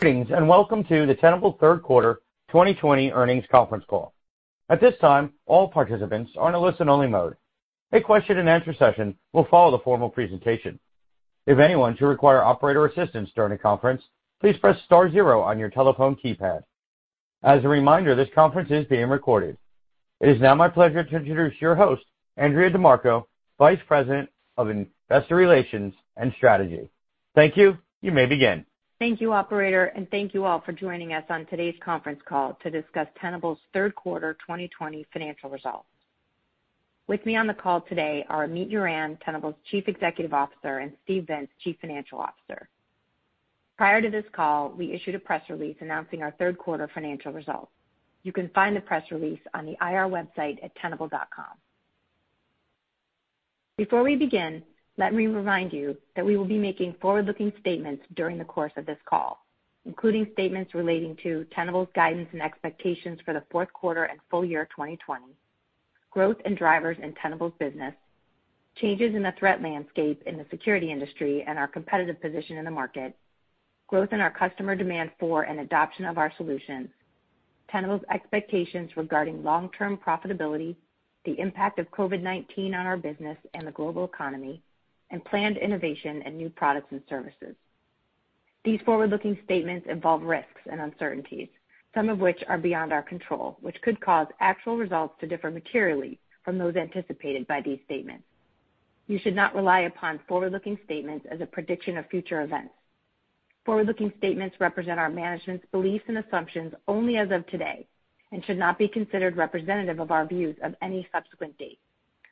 Greetings and welcome to the Tenable Third Quarter 2020 Earnings Conference Call. At this time, all participants are in a listen-only mode. A question-and-answer session will follow the formal presentation. If anyone should require operator assistance during the conference, please press star zero on your telephone keypad. As a reminder, this conference is being recorded. It is now my pleasure to introduce your host, Andrea DeMarco, Vice President of Investor Relations and Strategy. Thank you. You may begin. Thank you, Operator, and thank you all for joining us on today's conference call to discuss Tenable's Third Quarter 2020 financial results. With me on the call today are Amit Yoran, Tenable's Chief Executive Officer, and Steve Vintz, Chief Financial Officer. Prior to this call, we issued a press release announcing our Third Quarter financial results. You can find the press release on the IR website at tenable.com. Before we begin, let me remind you that we will be making forward-looking statements during the course of this call, including statements relating to Tenable's guidance and expectations for the Fourth Quarter and full year 2020, growth and drivers in Tenable's business, changes in the threat landscape in the security industry and our competitive position in the market, growth in our customer demand for and adoption of our solutions, Tenable's expectations regarding long-term profitability, the impact of COVID-19 on our business and the global economy, and planned innovation and new products and services. These forward-looking statements involve risks and uncertainties, some of which are beyond our control, which could cause actual results to differ materially from those anticipated by these statements. You should not rely upon forward-looking statements as a prediction of future events. Forward-looking statements represent our management's beliefs and assumptions only as of today and should not be considered representative of our views of any subsequent date.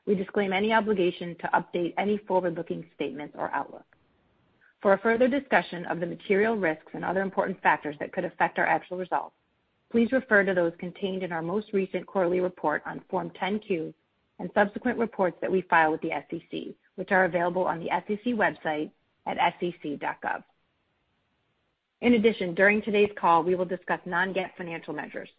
We disclaim any obligation to update any forward-looking statements or outlook. For further discussion of the material risks and other important factors that could affect our actual results, please refer to those contained in our most recent quarterly report on Form 10-Q and subsequent reports that we file with the SEC, which are available on the SEC website at sec.gov. In addition, during today's call, we will discuss non-GAAP financial measures.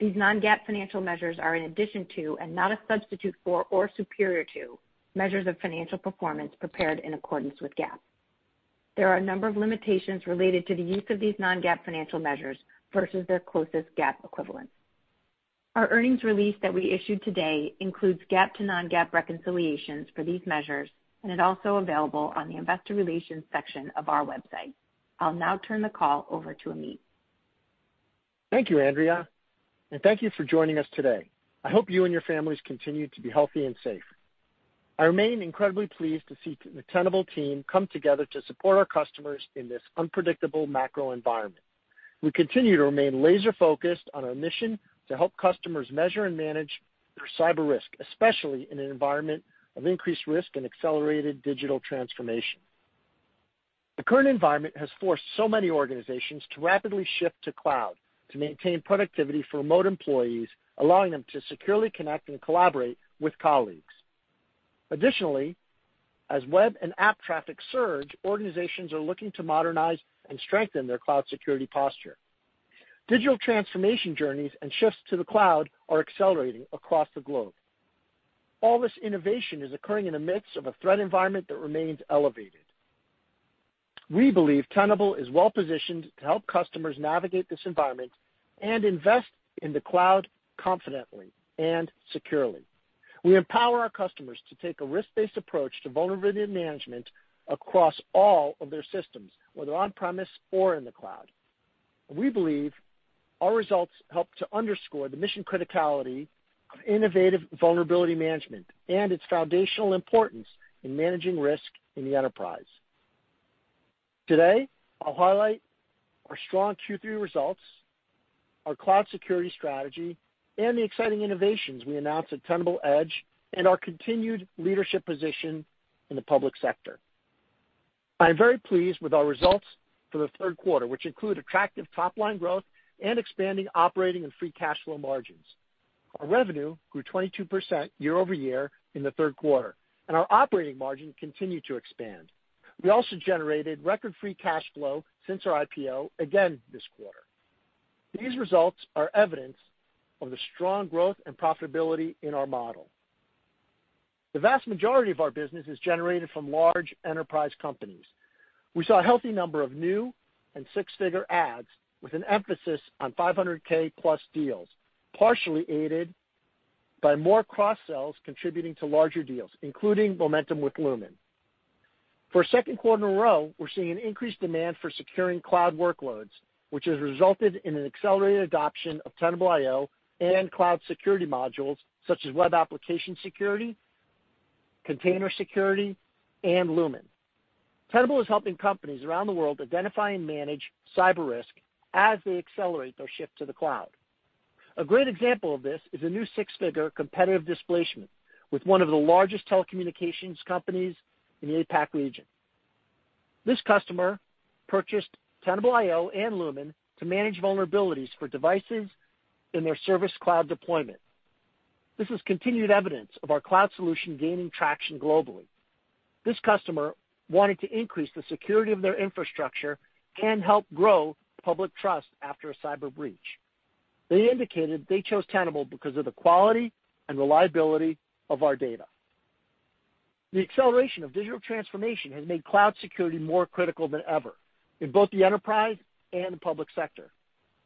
These non-GAAP financial measures are in addition to and not a substitute for or superior to measures of financial performance prepared in accordance with GAAP. There are a number of limitations related to the use of these non-GAAP financial measures versus their closest GAAP equivalents. Our earnings release that we issued today includes GAAP to non-GAAP reconciliations for these measures, and it's also available on the Investor Relations section of our website. I'll now turn the call over to Amit. Thank you, Andrea, and thank you for joining us today. I hope you and your families continue to be healthy and safe. I remain incredibly pleased to see the Tenable team come together to support our customers in this unpredictable macro environment. We continue to remain laser-focused on our mission to help customers measure and manage their cyber risk, especially in an environment of increased risk and accelerated digital transformation. The current environment has forced so many organizations to rapidly shift to cloud to maintain productivity for remote employees, allowing them to securely connect and collaborate with colleagues. Additionally, as web and app traffic surge, organizations are looking to modernize and strengthen their cloud security posture. Digital transformation journeys and shifts to the cloud are accelerating across the globe. All this innovation is occurring in the midst of a threat environment that remains elevated. We believe Tenable is well-positioned to help customers navigate this environment and invest in the cloud confidently and securely. We empower our customers to take a risk-based approach to vulnerability management across all of their systems, whether on-premise or in the cloud. We believe our results help to underscore the mission criticality of innovative vulnerability management and its foundational importance in managing risk in the enterprise. Today, I'll highlight our strong Q3 results, our cloud security strategy, and the exciting innovations we announced at Tenable Edge and our continued leadership position in the public sector. I'm very pleased with our results for the Third Quarter, which include attractive top-line growth and expanding operating and free cash flow margins. Our revenue grew 22% year-over-year in the Third Quarter, and our operating margin continued to expand. We also generated record free cash flow since our IPO again this quarter. These results are evidence of the strong growth and profitability in our model. The vast majority of our business is generated from large enterprise companies. We saw a healthy number of new and six-figure ACVs with an emphasis on 500K plus deals, partially aided by more cross-sells contributing to larger deals, including momentum with Lumin. For a second quarter in a row, we're seeing an increased demand for securing cloud workloads, which has resulted in an accelerated adoption of Tenable.io and cloud security modules such as web application security, container security, and Lumin. Tenable is helping companies around the world identify and manage cyber risk as they accelerate their shift to the cloud. A great example of this is a new six-figure competitive displacement with one of the largest telecommunications companies in the APAC region. This customer purchased Tenable.io and Tenable Lumin to manage vulnerabilities for devices in their service cloud deployment. This is continued evidence of our cloud solution gaining traction globally. This customer wanted to increase the security of their infrastructure and help grow public trust after a cyber breach. They indicated they chose Tenable because of the quality and reliability of our data. The acceleration of digital transformation has made cloud security more critical than ever in both the enterprise and the public sector.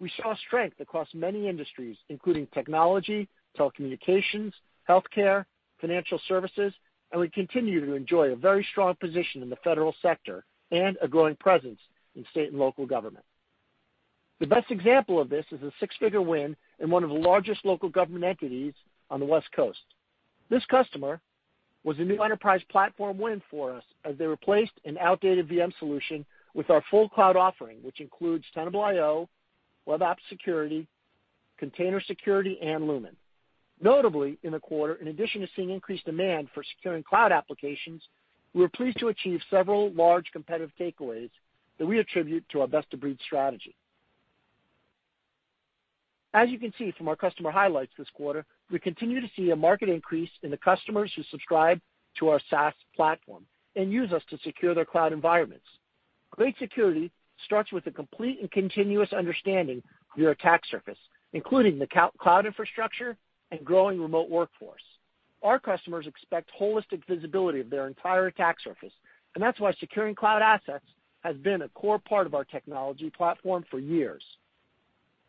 We saw strength across many industries, including technology, telecommunications, healthcare, financial services, and we continue to enjoy a very strong position in the federal sector and a growing presence in state and local government. The best example of this is a six-figure win in one of the largest local government entities on the West Coast. This customer was a new enterprise platform win for us as they replaced an outdated VM solution with our full cloud offering, which includes Tenable.io, web app security, container security, and Lumin. Notably, in the quarter, in addition to seeing increased demand for securing cloud applications, we were pleased to achieve several large competitive takeaways that we attribute to our best-of-breed strategy. As you can see from our customer highlights this quarter, we continue to see a market increase in the customers who subscribe to our SaaS platform and use us to secure their cloud environments. Great security starts with a complete and continuous understanding of your attack surface, including the cloud infrastructure and growing remote workforce. Our customers expect holistic visibility of their entire attack surface, and that's why securing cloud assets has been a core part of our technology platform for years.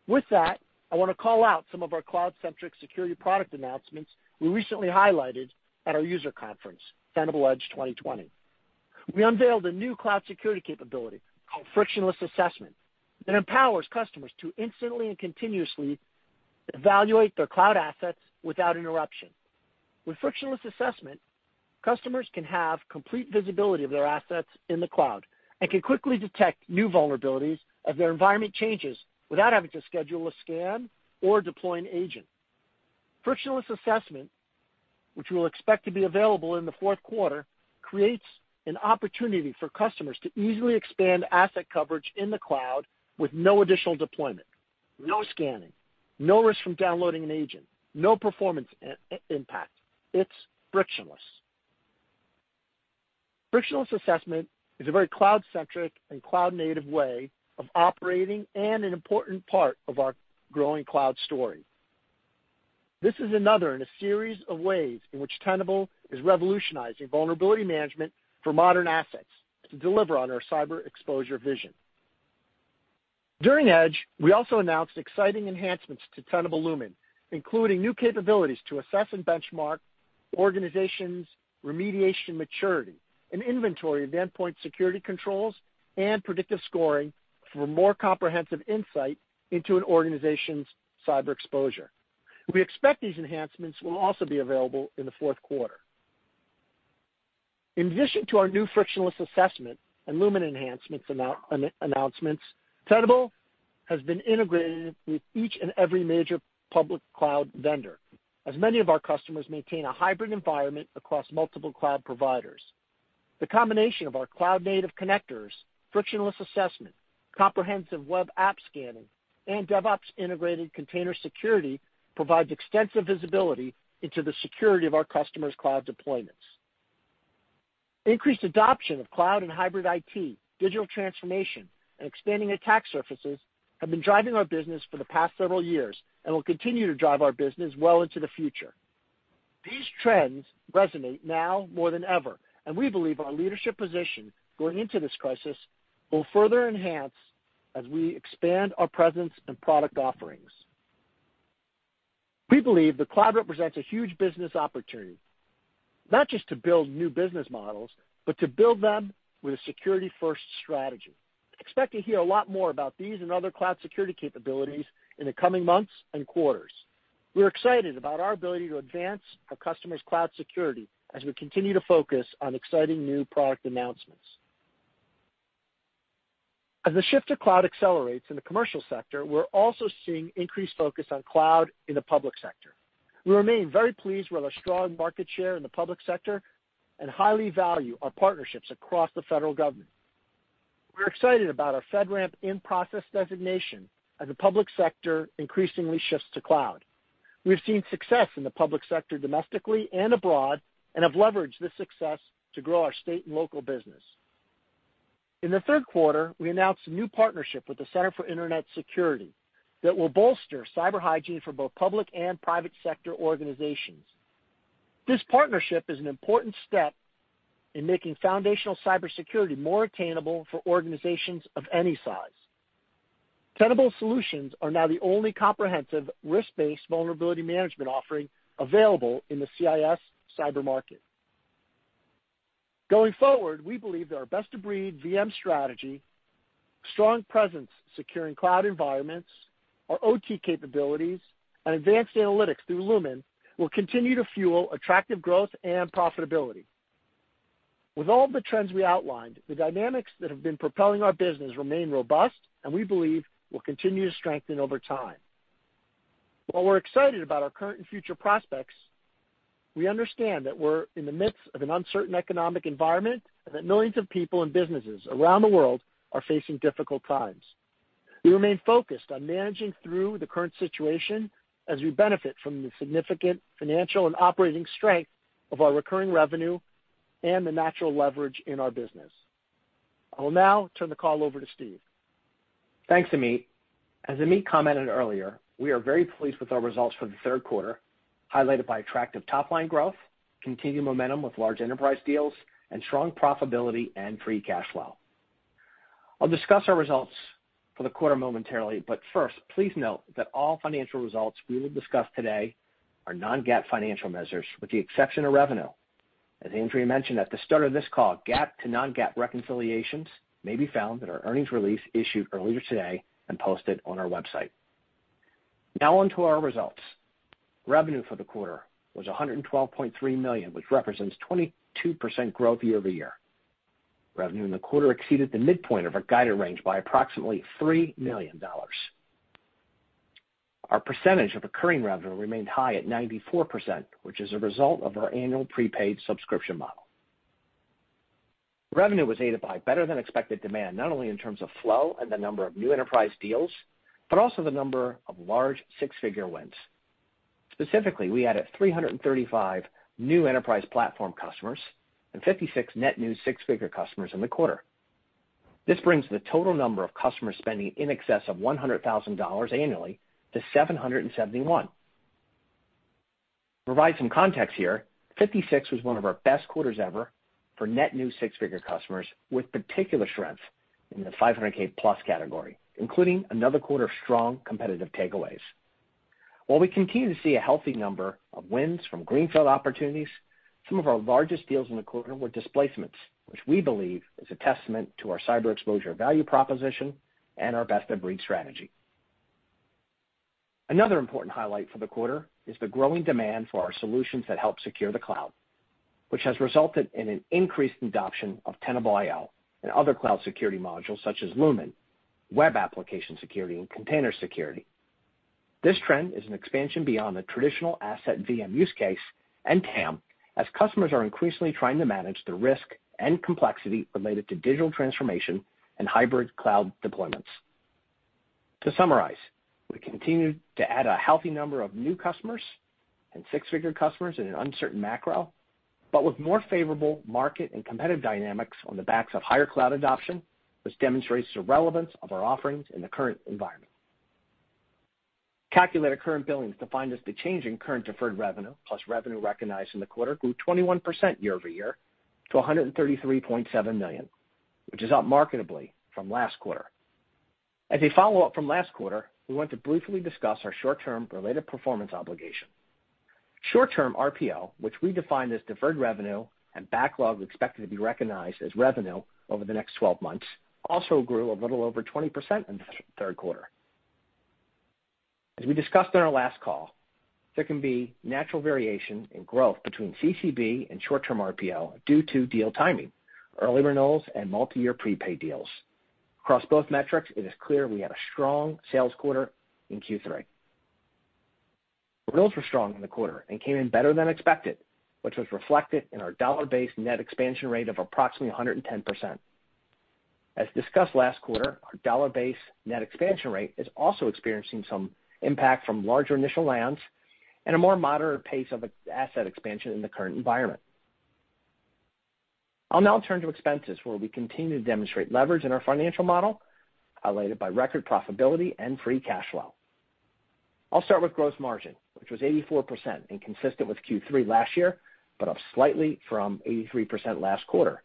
With that, I want to call out some of our cloud-centric security product announcements we recently highlighted at our user conference, Tenable Edge 2020. We unveiled a new cloud security capability called Frictionless Assessment that empowers customers to instantly and continuously evaluate their cloud assets without interruption. With Frictionless Assessment, customers can have complete visibility of their assets in the cloud and can quickly detect new vulnerabilities as their environment changes without having to schedule a scan or deploy an agent. Frictionless Assessment, which we'll expect to be available in the fourth quarter, creates an opportunity for customers to easily expand asset coverage in the cloud with no additional deployment, no scanning, no risk from downloading an agent, no performance impact. It's frictionless. Frictionless Assessment is a very cloud-centric and cloud-native way of operating and an important part of our growing cloud story. This is another in a series of ways in which Tenable is revolutionizing vulnerability management for modern assets to deliver on our cyber exposure vision. During Edge, we also announced exciting enhancements to Tenable Lumin, including new capabilities to assess and benchmark organizations' remediation maturity, an inventory of endpoint security controls, and predictive scoring for more comprehensive insight into an organization's cyber exposure. We expect these enhancements will also be available in the fourth quarter. In addition to our new Frictionless Assessment and Lumin enhancements, Tenable has been integrated with each and every major public cloud vendor, as many of our customers maintain a hybrid environment across multiple cloud providers. The combination of our cloud-native connectors, Frictionless Assessment, comprehensive web app scanning, and DevOps-integrated container security provides extensive visibility into the security of our customers' cloud deployments. Increased adoption of cloud and hybrid IT, digital transformation, and expanding attack surfaces have been driving our business for the past several years and will continue to drive our business well into the future. These trends resonate now more than ever, and we believe our leadership position going into this crisis will further enhance as we expand our presence and product offerings. We believe the cloud represents a huge business opportunity, not just to build new business models, but to build them with a security-first strategy. Expect to hear a lot more about these and other cloud security capabilities in the coming months and quarters. We're excited about our ability to advance our customers' cloud security as we continue to focus on exciting new product announcements. As the shift to cloud accelerates in the commercial sector, we're also seeing increased focus on cloud in the public sector. We remain very pleased with our strong market share in the public sector and highly value our partnerships across the federal government. We're excited about our FedRAMP in-process designation as the public sector increasingly shifts to cloud. We've seen success in the public sector domestically and abroad and have leveraged this success to grow our state and local business. In the third quarter, we announced a new partnership with the Center for Internet Security that will bolster cyber hygiene for both public and private sector organizations. This partnership is an important step in making foundational cybersecurity more attainable for organizations of any size. Tenable Solutions are now the only comprehensive risk-based vulnerability management offering available in the CIS CyberMarket. Going forward, we believe that our best-of-breed VM strategy, strong presence securing cloud environments, our OT capabilities, and advanced analytics through Lumin will continue to fuel attractive growth and profitability. With all the trends we outlined, the dynamics that have been propelling our business remain robust, and we believe will continue to strengthen over time. While we're excited about our current and future prospects, we understand that we're in the midst of an uncertain economic environment and that millions of people and businesses around the world are facing difficult times. We remain focused on managing through the current situation as we benefit from the significant financial and operating strength of our recurring revenue and the natural leverage in our business. I will now turn the call over to Steve. Thanks, Amit. As Amit commented earlier, we are very pleased with our results for the third quarter, highlighted by attractive top-line growth, continued momentum with large enterprise deals, and strong profitability and free cash flow. I'll discuss our results for the quarter momentarily, but first, please note that all financial results we will discuss today are non-GAAP financial measures with the exception of revenue. As Andrea mentioned at the start of this call, GAAP to non-GAAP reconciliations may be found in our earnings release issued earlier today and posted on our website. Now on to our results. Revenue for the quarter was $112.3 million, which represents 22% growth year-over-year. Revenue in the quarter exceeded the midpoint of our guided range by approximately $3 million. Our percentage of recurring revenue remained high at 94%, which is a result of our annual prepaid subscription model. Revenue was aided by better-than-expected demand, not only in terms of flow and the number of new enterprise deals, but also the number of large six-figure wins. Specifically, we added 335 new enterprise platform customers and 56 net new six-figure customers in the quarter. This brings the total number of customers spending in excess of $100,000 annually to 771. To provide some context here, 56 was one of our best quarters ever for net new six-figure customers, with particular strength in the 500K plus category, including another quarter of strong competitive takeaways. While we continue to see a healthy number of wins from greenfield opportunities, some of our largest deals in the quarter were displacements, which we believe is a testament to our cyber exposure value proposition and our best-of-breed strategy. Another important highlight for the quarter is the growing demand for our solutions that help secure the cloud, which has resulted in an increased adoption of Tenable.io and other cloud security modules such as Lumin, Web Application Security, and Container Security. This trend is an expansion beyond the traditional asset VM use case and TAM, as customers are increasingly trying to manage the risk and complexity related to digital transformation and hybrid cloud deployments. To summarize, we continue to add a healthy number of new customers and six-figure customers in an uncertain macro, but with more favorable market and competitive dynamics on the backs of higher cloud adoption, which demonstrates the relevance of our offerings in the current environment. Calculated Current Billings, which is the change in current deferred revenue plus revenue recognized in the quarter, grew 21% year-over-year to $133.7 million, which is up markedly from last quarter. As a follow-up from last quarter, we want to briefly discuss our short-term remaining performance obligation. Short-term RPO, which we defined as deferred revenue and backlog expected to be recognized as revenue over the next 12 months, also grew a little over 20% in the Third Quarter. As we discussed in our last call, there can be natural variation in growth between CCB and short-term RPO due to deal timing, early renewals, and multi-year prepaid deals. Across both metrics, it is clear we had a strong sales quarter in Q3. Renewals were strong in the quarter and came in better than expected, which was reflected in our dollar-based net expansion rate of approximately 110%. As discussed last quarter, our dollar-based net expansion rate is also experiencing some impact from larger initial lands and a more moderate pace of asset expansion in the current environment. I'll now turn to expenses, where we continue to demonstrate leverage in our financial model, highlighted by record profitability and free cash flow. I'll start with gross margin, which was 84% and consistent with Q3 last year, but up slightly from 83% last quarter.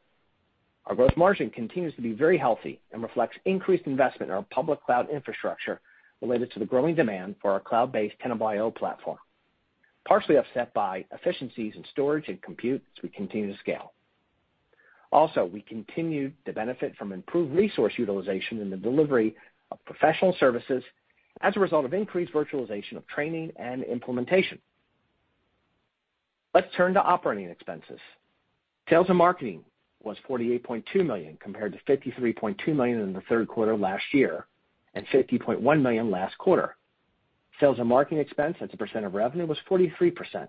Our gross margin continues to be very healthy and reflects increased investment in our public cloud infrastructure related to the growing demand for our cloud-based Tenable.io platform, partially offset by efficiencies in storage and compute as we continue to scale. Also, we continue to benefit from improved resource utilization in the delivery of professional services as a result of increased virtualization of training and implementation. Let's turn to operating expenses. Sales and marketing was $48.2 million compared to $53.2 million in the third quarter last year and $50.1 million last quarter. Sales and marketing expense at 2% of revenue was 43%,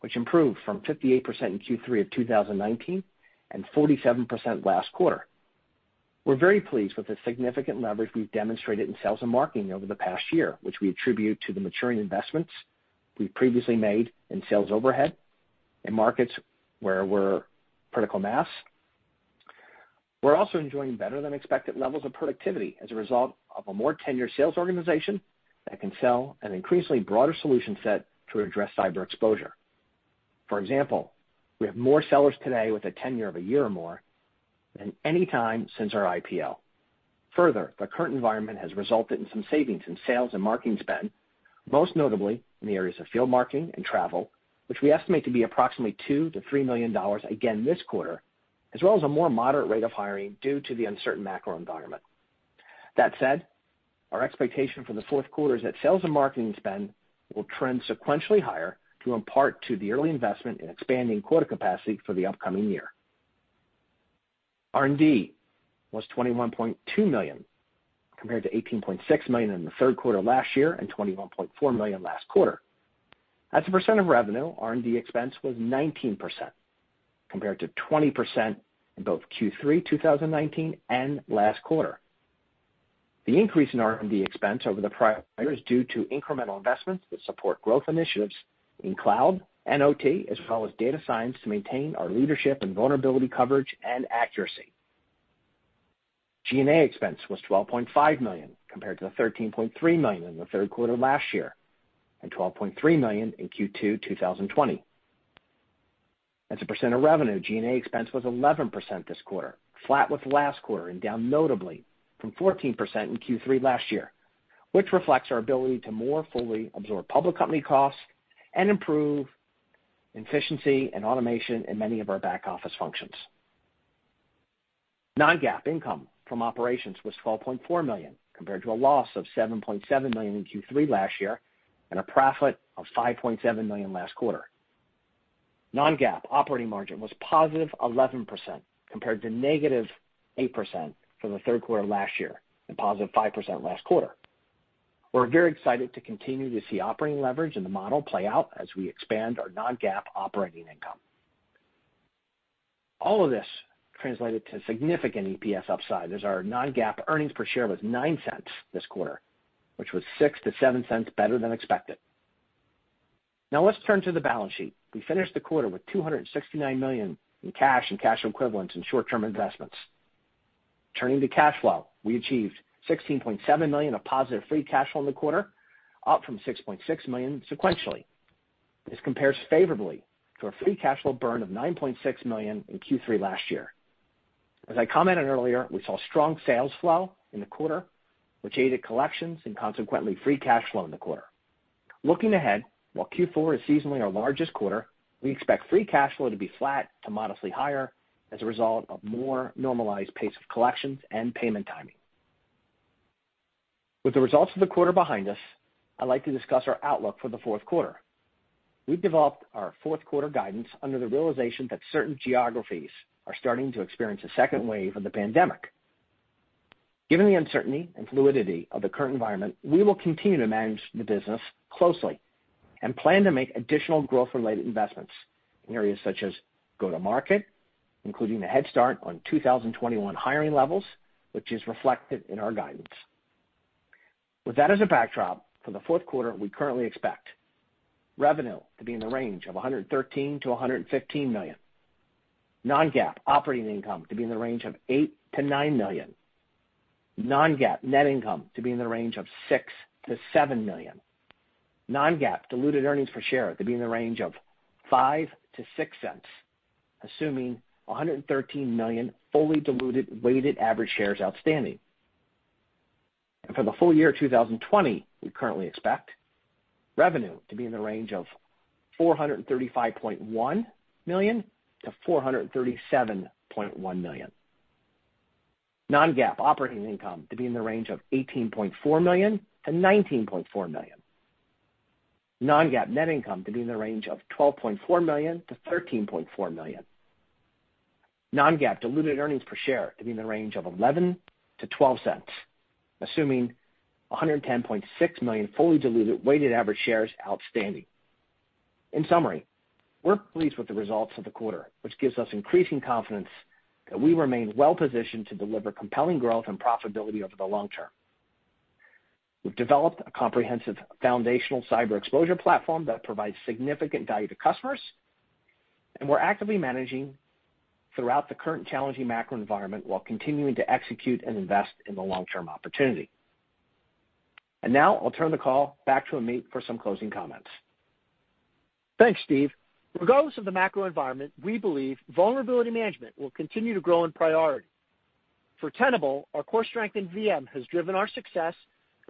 which improved from 58% in Q3 of 2019 and 47% last quarter. We're very pleased with the significant leverage we've demonstrated in sales and marketing over the past year, which we attribute to the maturing investments we've previously made in sales overhead and markets where we're critical mass. We're also enjoying better-than-expected levels of productivity as a result of a more tenured sales organization that can sell an increasingly broader solution set to address cyber exposure. For example, we have more sellers today with a tenure of a year or more than any time since our IPO. Further, the current environment has resulted in some savings in sales and marketing spend, most notably in the areas of field marketing and travel, which we estimate to be approximately $2-$3 million again this quarter, as well as a more moderate rate of hiring due to the uncertain macro environment. That said, our expectation for the Fourth Quarter is that sales and marketing spend will trend sequentially higher, in part, due to the early investment in expanding our capacity for the upcoming year. R&D was $21.2 million compared to $18.6 million in the Third Quarter last year and $21.4 million last quarter. At 20% of revenue, R&D expense was 19% compared to 20% in both Q3 2019 and last quarter. The increase in R&D expense over the prior year is due to incremental investments that support growth initiatives in cloud and OT, as well as data science to maintain our leadership and vulnerability coverage and accuracy. G&A expense was $12.5 million compared to the $13.3 million in the Third Quarter last year and $12.3 million in Q2 2020. At 2% of revenue, G&A expense was 11% this quarter, flat with last quarter and down notably from 14% in Q3 last year, which reflects our ability to more fully absorb public company costs and improve efficiency and automation in many of our back office functions. Non-GAAP income from operations was $12.4 million compared to a loss of $7.7 million in Q3 last year and a profit of $5.7 million last quarter. Non-GAAP operating margin was positive 11% compared to negative 8% for the third quarter last year and positive 5% last quarter. We're very excited to continue to see operating leverage in the model play out as we expand our non-GAAP operating income. All of this translated to significant EPS upside as our non-GAAP earnings per share was $0.09 this quarter, which was $0.06-$0.07 better than expected. Now let's turn to the balance sheet. We finished the quarter with $269 million in cash and cash equivalents in short-term investments. Turning to cash flow, we achieved $16.7 million of positive free cash flow in the quarter, up from $6.6 million sequentially. This compares favorably to a free cash flow burn of $9.6 million in Q3 last year. As I commented earlier, we saw strong sales flow in the quarter, which aided collections and consequently free cash flow in the quarter. Looking ahead, while Q4 is seasonally our largest quarter, we expect free cash flow to be flat to modestly higher as a result of more normalized pace of collections and payment timing. With the results of the quarter behind us, I'd like to discuss our outlook for the Fourth Quarter. We've developed our Fourth Quarter guidance under the realization that certain geographies are starting to experience a second wave of the pandemic. Given the uncertainty and fluidity of the current environment, we will continue to manage the business closely and plan to make additional growth-related investments in areas such as go-to-market, including a head start on 2021 hiring levels, which is reflected in our guidance. With that as a backdrop for the Fourth Quarter, we currently expect revenue to be in the range of $113-$115 million, non-GAAP operating income to be in the range of $8-$9 million, non-GAAP net income to be in the range of $6-$7 million, non-GAAP diluted earnings per share to be in the range of $0.05-$0.06, assuming 113 million fully diluted weighted average shares outstanding, and for the full year 2020, we currently expect revenue to be in the range of $435.1-$437.1 million, non-GAAP operating income to be in the range of $18.4-$19.4 million, non-GAAP net income to be in the range of $12.4-$13.4 million, non-GAAP diluted earnings per share to be in the range of $0.11-$0.12, assuming 110.6 million fully diluted weighted average shares outstanding. In summary, we're pleased with the results of the quarter, which gives us increasing confidence that we remain well-positioned to deliver compelling growth and profitability over the long term. We've developed a comprehensive foundational cyber exposure platform that provides significant value to customers, and we're actively managing throughout the current challenging macro environment while continuing to execute and invest in the long-term opportunity, and now I'll turn the call back to Amit for some closing comments. Thanks, Steve. Regardless of the macro environment, we believe vulnerability management will continue to grow in priority. For Tenable, our core strength in VM has driven our success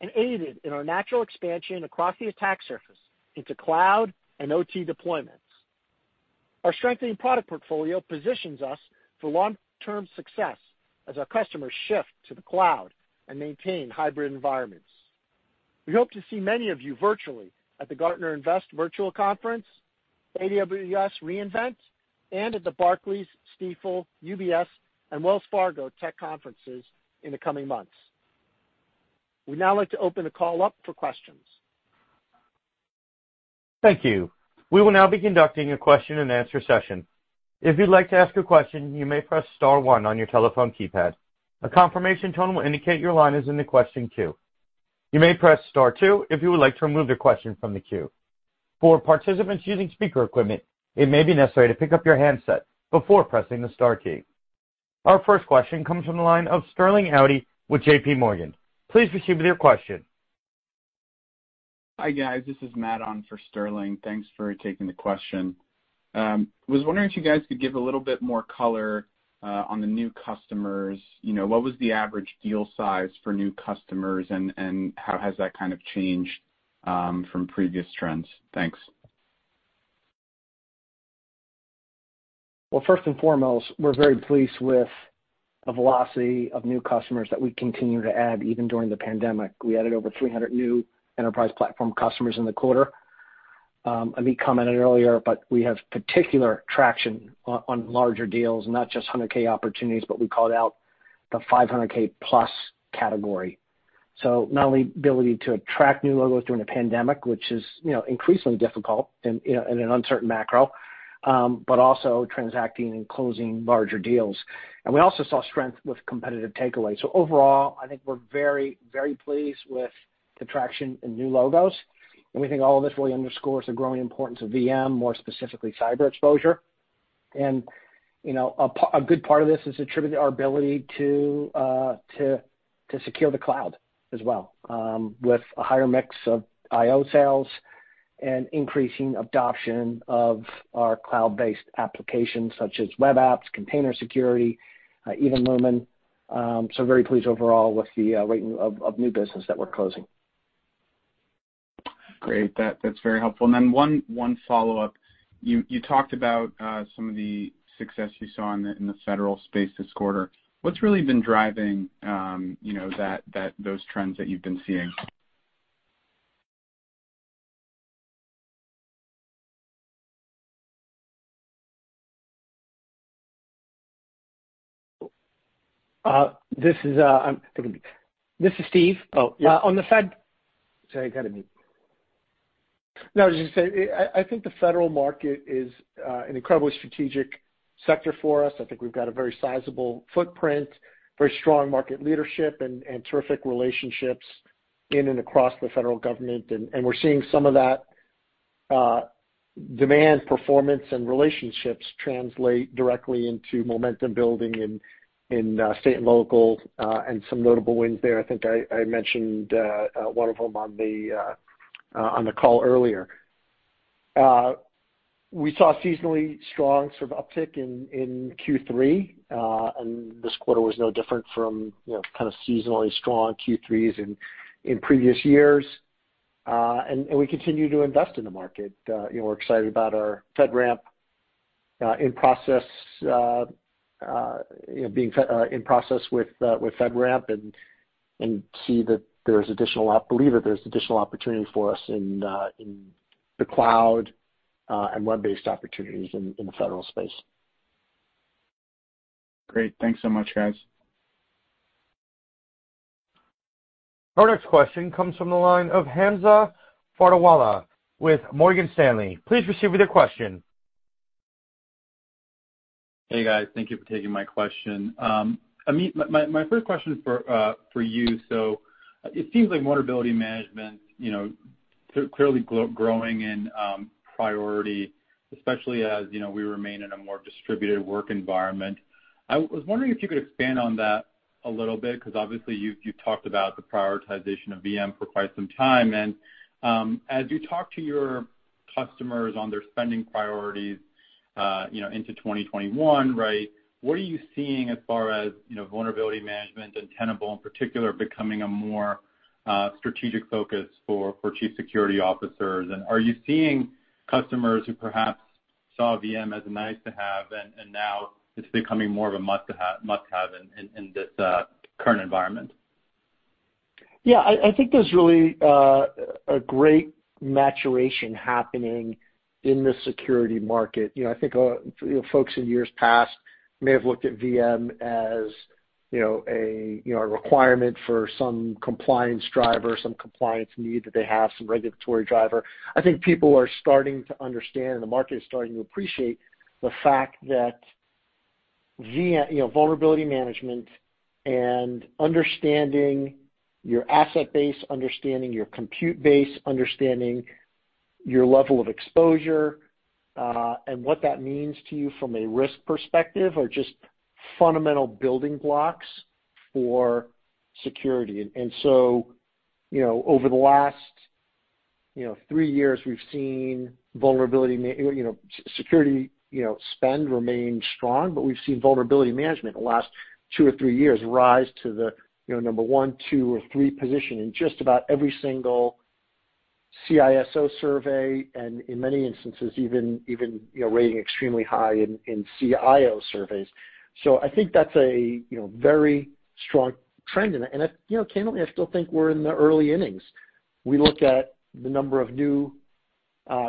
and aided in our natural expansion across the attack surface into cloud and OT deployments. Our strengthening product portfolio positions us for long-term success as our customers shift to the cloud and maintain hybrid environments. We hope to see many of you virtually at the Gartner Invest Virtual Conference, AWS re:Invent, and at the Barclays, Stifel, UBS, and Wells Fargo tech conferences in the coming months. We'd now like to open the call up for questions. Thank you. We will now be conducting a question-and-answer session. If you'd like to ask a question, you may press star one on your telephone keypad. A confirmation tone will indicate your line is in the question queue. You may press star two if you would like to remove the question from the queue. For participants using speaker equipment, it may be necessary to pick up your handset before pressing the star key. Our first question comes from the line of Sterling Auty with J.P. Morgan. Please proceed with your question. Hi guys, this is Matt on for Sterling. Thanks for taking the question. I was wondering if you guys could give a little bit more color on the new customers. What was the average deal size for new customers, and how has that kind of changed from previous trends? Thanks. First and foremost, we're very pleased with the velocity of new customers that we continue to add even during the pandemic. We added over 300 new enterprise platform customers in the quarter. Amit commented earlier, but we have particular traction on larger deals, not just 100K opportunities, but we called out the 500K plus category. So not only the ability to attract new logos during a pandemic, which is increasingly difficult in an uncertain macro, but also transacting and closing larger deals. And we also saw strength with competitive takeaways. So overall, I think we're very, very pleased with the traction in new logos. And we think all of this really underscores the growing importance of VM, more specifically cyber exposure. And a good part of this is attributed to our ability to secure the cloud as well, with a higher mix of io sales and increasing adoption of our cloud-based applications such as web apps, container security, even Lumin. So very pleased overall with the rate of new business that we're closing. Great. That's very helpful. And then one follow-up. You talked about some of the success you saw in the federal space this quarter. What's really been driving those trends that you've been seeing? This is Steve. On the Fed - sorry, I got to be - No, I was just going to say, I think the federal market is an incredibly strategic sector for us. I think we've got a very sizable footprint, very strong market leadership, and terrific relationships in and across the federal government. And we're seeing some of that demand, performance, and relationships translate directly into momentum building in state and local, and some notable wins there. I think I mentioned one of them on the call earlier. We saw seasonally strong sort of uptick in Q3, and this quarter was no different from kind of seasonally strong Q3s in previous years. And we continue to invest in the market. We're excited about our FedRAMP in process, being in process with FedRAMP, and see that there's additional—I believe that there's additional opportunity for us in the cloud and web-based opportunities in the federal space. Great. Thanks so much, guys. Our next question comes from the line of Hamza Fodderwala with Morgan Stanley. Please proceed with your question. Hey, guys. Thank you for taking my question. Amit, my first question for you: so it seems like vulnerability management is clearly growing in priority, especially as we remain in a more distributed work environment. I was wondering if you could expand on that a little bit because, obviously, you've talked about the prioritization of VM for quite some time. And as you talk to your customers on their spending priorities into 2021, right, what are you seeing as far as vulnerability management and Tenable in particular becoming a more strategic focus for chief security officers? And are you seeing customers who perhaps saw VM as a nice-to-have, and now it's becoming more of a must-have in this current environment? Yeah, I think there's really a great maturation happening in the security market. I think folks in years past may have looked at VM as a requirement for some compliance driver, some compliance need that they have, some regulatory driver. I think people are starting to understand, and the market is starting to appreciate the fact that vulnerability management and understanding your asset base, understanding your compute base, understanding your level of exposure, and what that means to you from a risk perspective are just fundamental building blocks for security. And so over the last three years, we've seen vulnerability security spend remains strong, but we've seen vulnerability management in the last two or three years rise to the number one, two, or three position in just about every single CISO survey, and in many instances, even rating extremely high in CIO surveys. So I think that's a very strong trend. Candidly, I still think we're in the early innings. We look at the number of new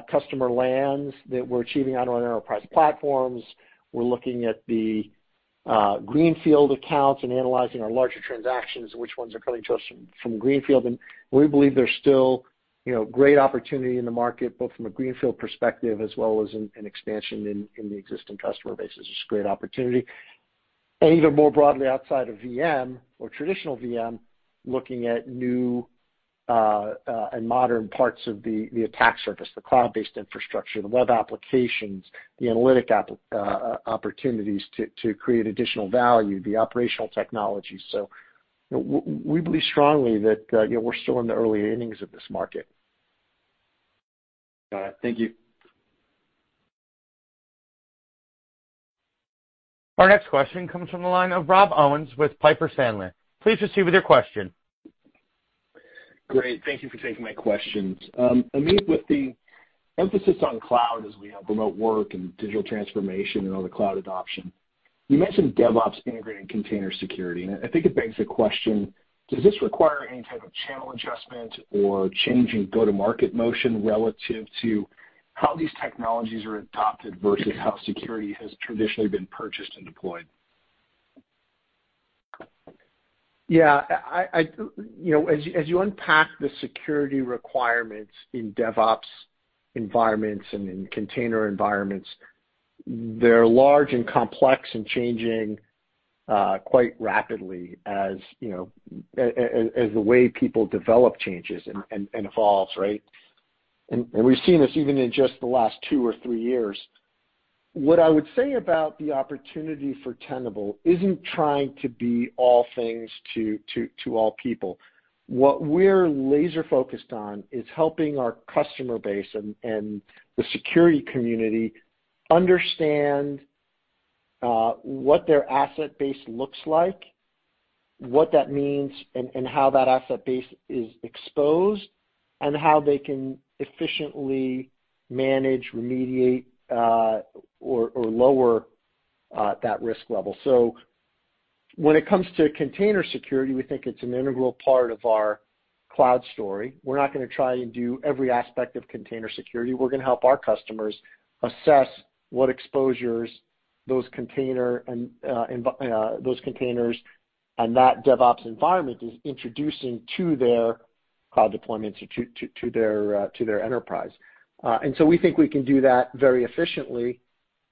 customer lands that we're achieving out on enterprise platforms. We're looking at the greenfield accounts and analyzing our larger transactions, which ones are coming to us from greenfield. We believe there's still great opportunity in the market, both from a greenfield perspective as well as an expansion in the existing customer base. It's just a great opportunity. Even more broadly, outside of VM or traditional VM, looking at new and modern parts of the attack surface, the cloud-based infrastructure, the web applications, the analytic opportunities to create additional value, the operational technology. We believe strongly that we're still in the early innings of this market. Got it. Thank you. Our next question comes from the line of Rob Owens with Piper Sandler. Please proceed with your question. Great. Thank you for taking my questions. Amit, with the emphasis on cloud as we have remote work and digital transformation and other cloud adoption, you mentioned DevOps integrating container security. And I think it begs the question: does this require any type of channel adjustment or change in go-to-market motion relative to how these technologies are adopted versus how security has traditionally been purchased and deployed? Yeah. As you unpack the security requirements in DevOps environments and in container environments, they're large and complex and changing quite rapidly as the way people develop changes and evolves, right? And we've seen this even in just the last two or three years. What I would say about the opportunity for Tenable isn't trying to be all things to all people. What we're laser-focused on is helping our customer base and the security community understand what their asset base looks like, what that means, and how that asset base is exposed, and how they can efficiently manage, remediate, or lower that risk level. So when it comes to container security, we think it's an integral part of our cloud story. We're not going to try and do every aspect of container security. We're going to help our customers assess what exposures those containers and that DevOps environment is introducing to their cloud deployments, to their enterprise. And so we think we can do that very efficiently.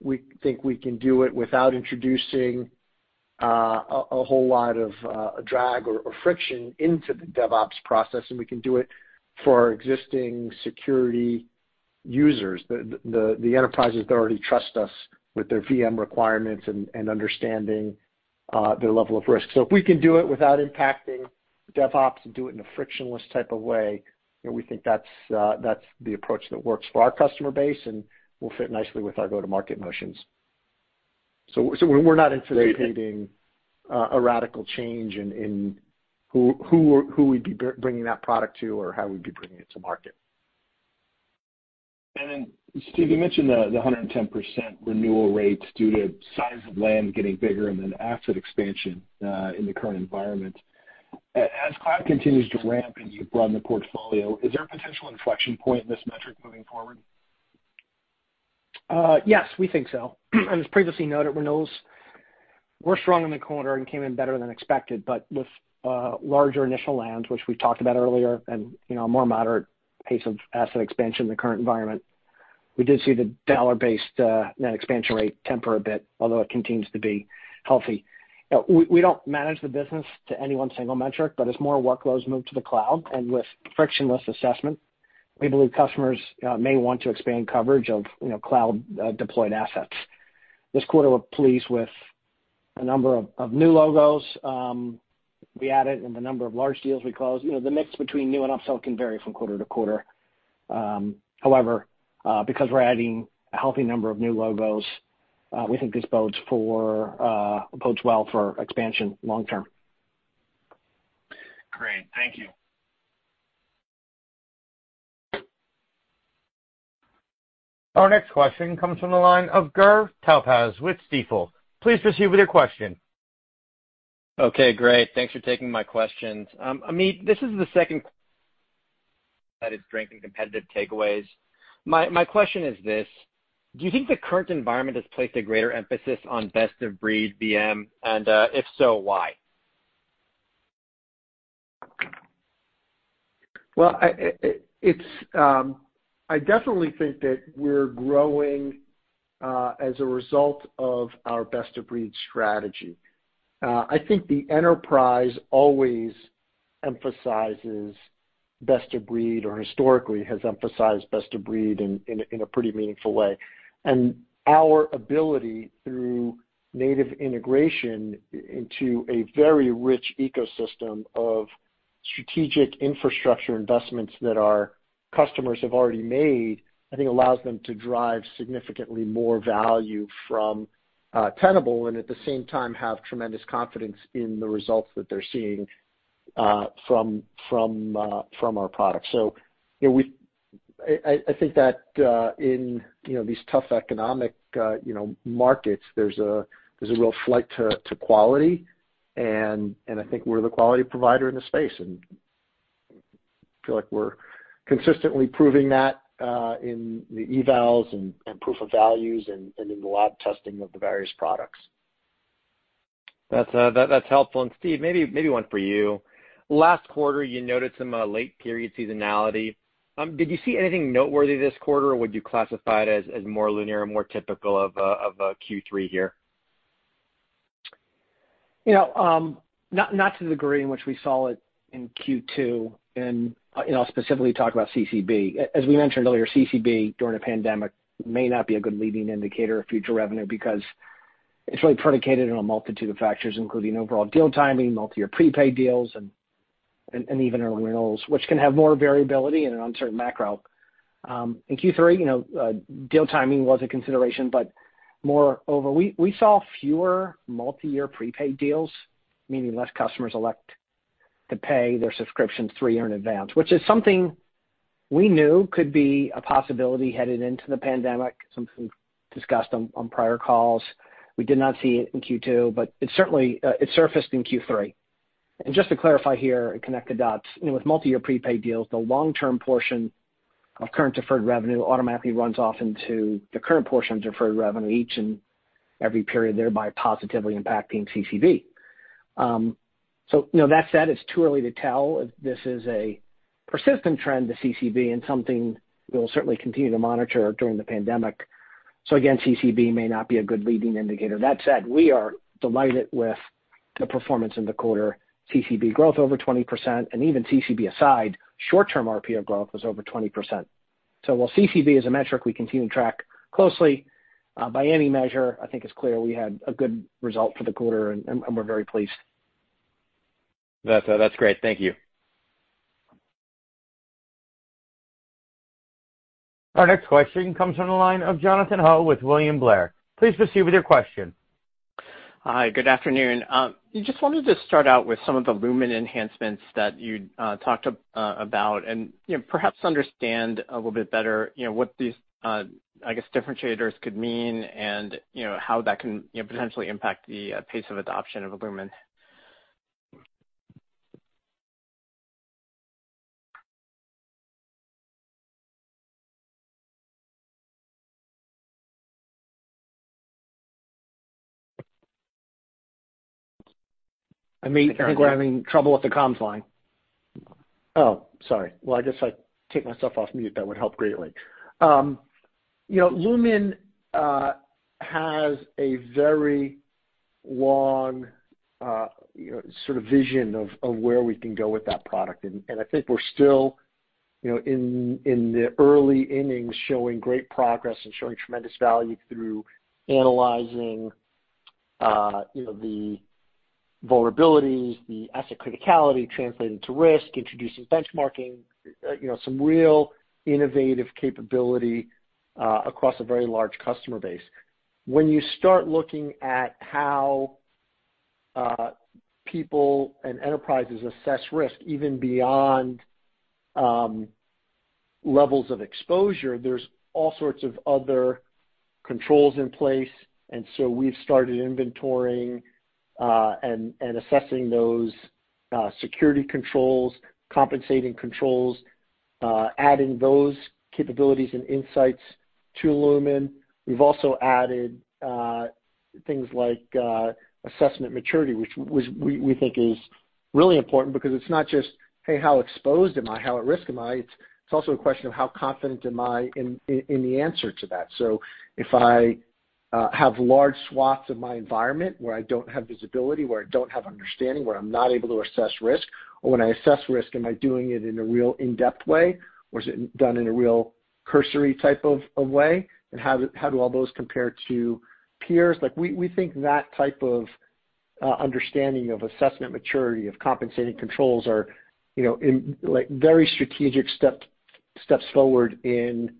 We think we can do it without introducing a whole lot of drag or friction into the DevOps process. And we can do it for our existing security users, the enterprises that already trust us with their VM requirements and understanding their level of risk. So if we can do it without impacting DevOps and do it in a frictionless type of way, we think that's the approach that works for our customer base and will fit nicely with our go-to-market motions. So we're not anticipating a radical change in who we'd be bringing that product to or how we'd be bringing it to market. Then, Steve, you mentioned the 110% renewal rates due to size of land getting bigger and then asset expansion in the current environment. As cloud continues to ramp and you broaden the portfolio, is there a potential inflection point in this metric moving forward? Yes, we think so. As previously noted, we're strong in the corner and came in better than expected. But with larger initial lands, which we've talked about earlier, and a more moderate pace of asset expansion in the current environment, we did see the dollar-based net expansion rate temper a bit, although it continues to be healthy. We don't manage the business to any one single metric, but as more workloads move to the cloud and with frictionless assessment, we believe customers may want to expand coverage of cloud-deployed assets. This quarter, we're pleased with the number of new logos we added and the number of large deals we closed. The mix between new and upsell can vary from quarter to quarter. However, because we're adding a healthy number of new logos, we think this bodes well for expansion long-term. Great. Thank you. Our next question comes from the line of Gur Talpaz with Stifel. Please proceed with your question. Okay. Great. Thanks for taking my questions. Amit, this is the second that is strength and competitive takeaways. My question is this: do you think the current environment has placed a greater emphasis on best-of-breed VM, and if so, why? I definitely think that we're growing as a result of our best-of-breed strategy. I think the enterprise always emphasizes best-of-breed or historically has emphasized best-of-breed in a pretty meaningful way. Our ability through native integration into a very rich ecosystem of strategic infrastructure investments that our customers have already made, I think, allows them to drive significantly more value from Tenable and at the same time have tremendous confidence in the results that they're seeing from our product. I think that in these tough economic markets, there's a real flight to quality. I think we're the quality provider in the space. I feel like we're consistently proving that in the evals and proof of values and in the lab testing of the various products. That's helpful, and Steve, maybe one for you. Last quarter, you noted some late-period seasonality. Did you see anything noteworthy this quarter, or would you classify it as more linear or more typical of a Q3 here? Not to the degree in which we saw it in Q2, and I'll specifically talk about CCB. As we mentioned earlier, CCB during a pandemic may not be a good leading indicator of future revenue because it's really predicated on a multitude of factors, including overall deal timing, multi-year prepaid deals, and even renewals, which can have more variability in an uncertain macro. In Q3, deal timing was a consideration, but moreover, we saw fewer multi-year prepaid deals, meaning less customers elect to pay their subscriptions three years in advance, which is something we knew could be a possibility headed into the pandemic. Something discussed on prior calls. We did not see it in Q2, but it surfaced in Q3. Just to clarify here and connect the dots, with multi-year prepaid deals, the long-term portion of current deferred revenue automatically runs off into the current portion of deferred revenue each and every period, thereby positively impacting CCB. So that said, it's too early to tell if this is a persistent trend to CCB and something we will certainly continue to monitor during the pandemic. So again, CCB may not be a good leading indicator. That said, we are delighted with the performance in the quarter. CCB growth over 20%. And even CCB aside, short-term RPO growth was over 20%. So while CCB is a metric we continue to track closely, by any measure, I think it's clear we had a good result for the quarter, and we're very pleased. That's great. Thank you. Our next question comes from the line of Jonathan Ho with William Blair. Please proceed with your question. Hi. Good afternoon. I just wanted to start out with some of the Lumin enhancements that you talked about and perhaps understand a little bit better what these, I guess, differentiators could mean and how that can potentially impact the pace of adoption of Lumin? Amit, I think we're having trouble with the comms line. Oh, sorry. I guess I take myself off mute. That would help greatly. Lumin has a very long sort of vision of where we can go with that product. I think we're still in the early innings showing great progress and showing tremendous value through analyzing the vulnerabilities, the asset criticality translated to risk, introducing benchmarking, some real innovative capability across a very large customer base. When you start looking at how people and enterprises assess risk even beyond levels of exposure, there's all sorts of other controls in place. We've started inventorying and assessing those security controls, compensating controls, adding those capabilities and insights to Lumin. We've also added things like assessment maturity, which we think is really important because it's not just, "Hey, how exposed am I? How at risk am I?" It's also a question of, "How confident am I in the answer to that?" So if I have large swaths of my environment where I don't have visibility, where I don't have understanding, where I'm not able to assess risk, or when I assess risk, am I doing it in a real in-depth way, or is it done in a real cursory type of way? And how do all those compare to peers? We think that type of understanding of assessment maturity, of compensating controls, are very strategic steps forward in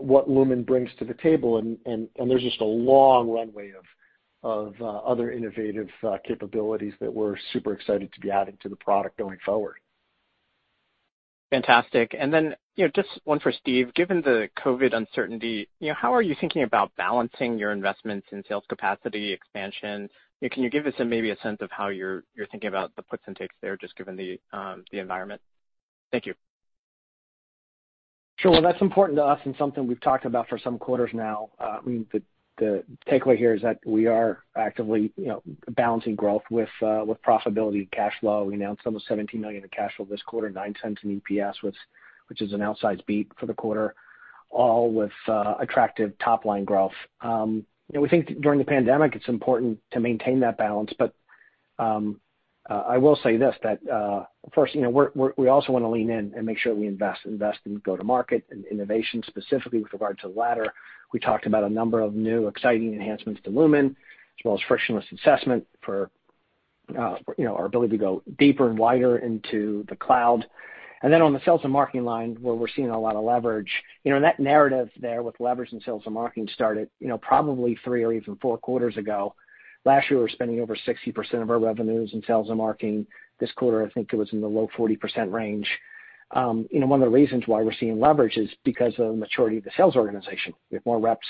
what Lumin brings to the table. And there's just a long runway of other innovative capabilities that we're super excited to be adding to the product going forward. Fantastic. And then just one for Steve. Given the COVID uncertainty, how are you thinking about balancing your investments in sales capacity expansion? Can you give us maybe a sense of how you're thinking about the puts and takes there, just given the environment? Thank you. Sure. Well, that's important to us and something we've talked about for some quarters now. I mean, the takeaway here is that we are actively balancing growth with profitability and cash flow. We announced almost $17 million in cash flow this quarter, $0.09 in EPS, which is an outsized beat for the quarter, all with attractive top-line growth. We think during the pandemic, it's important to maintain that balance. But I will say this, that first, we also want to lean in and make sure we invest in go-to-market and innovation specifically with regard to the latter. We talked about a number of new exciting enhancements to Lumin, as well as frictionless assessment for our ability to go deeper and wider into the cloud. And then on the sales and marketing line, where we're seeing a lot of leverage, that narrative there with leverage in sales and marketing started probably three or even four quarters ago. Last year, we were spending over 60% of our revenues in sales and marketing. This quarter, I think it was in the low 40% range. One of the reasons why we're seeing leverage is because of the maturity of the sales organization. We have more reps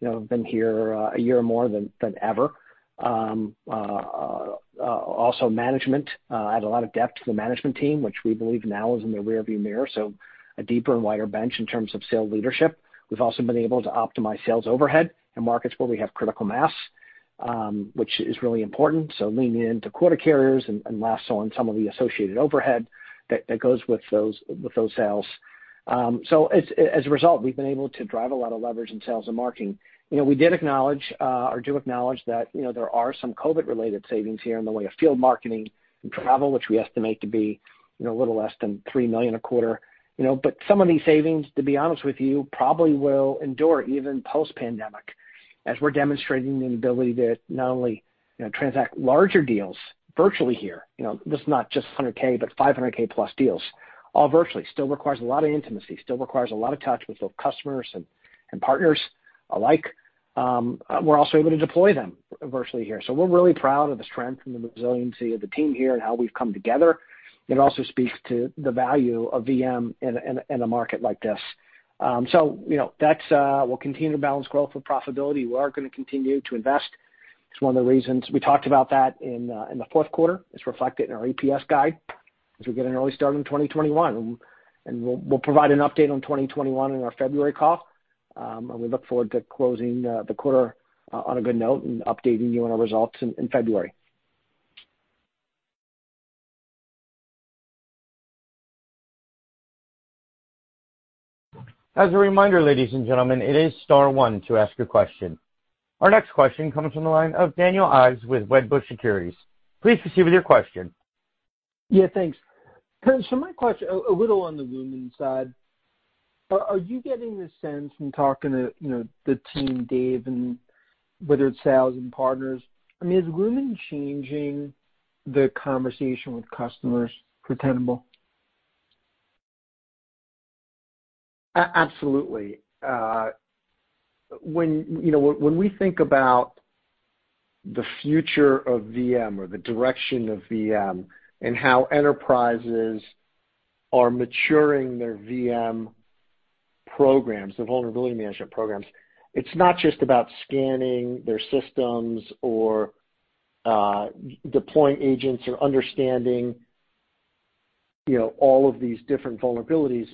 than here a year more than ever. Also, management had a lot of depth to the management team, which we believe now is in the rearview mirror. So a deeper and wider bench in terms of sales leadership. We've also been able to optimize sales overhead and markets where we have critical mass, which is really important. So leaning into quarter carriers and last on some of the associated overhead that goes with those sales. So as a result, we've been able to drive a lot of leverage in sales and marketing. We did acknowledge or do acknowledge that there are some COVID-related savings here in the way of field marketing and travel, which we estimate to be a little less than $3 million a quarter. But some of these savings, to be honest with you, probably will endure even post-pandemic as we're demonstrating the ability to not only transact larger deals virtually here. This is not just $100K, but $500K plus deals, all virtually. Still requires a lot of intimacy, still requires a lot of touch with both customers and partners alike. We're also able to deploy them virtually here. So we're really proud of the strength and the resiliency of the team here and how we've come together. It also speaks to the value of VM in a market like this. So we'll continue to balance growth with profitability. We are going to continue to invest. It's one of the reasons we talked about that in the fourth quarter. It's reflected in our EPS guide as we get an early start in 2021. And we'll provide an update on 2021 in our February call. And we look forward to closing the quarter on a good note and updating you on our results in February. As a reminder, ladies and gentlemen, it is star one to ask a question. Our next question comes from the line of Daniel Ives with Wedbush Securities. Please proceed with your question. Yeah, thanks. So my question a little on the Lumin side. Are you getting the sense from talking to the team Dave, and whether it's sales and partners? I mean, is Lumin changing the conversation with customers for Tenable? Absolutely. When we think about the future of VM or the direction of VM and how enterprises are maturing their VM programs, the vulnerability management programs, it's not just about scanning their systems or deploying agents or understanding all of these different vulnerabilities.